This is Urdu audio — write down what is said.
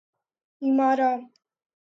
ایمارا